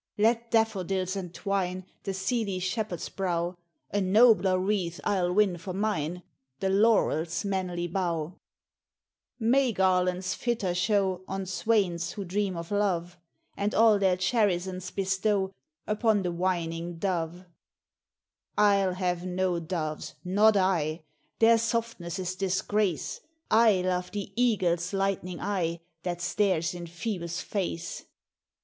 "Let daffodills entwine The seely Shepherd's brow, A nobler wreath I'll win for mine, The Lawrel's manly bough. "May garlands fitter shew On swains who dream of Love; And all their cherisance bestow Upon the whining dove "I'll have no doves not I Their softness is disgrace; I love the Eagle's lightning eye, That stares in Ph├"bus' face.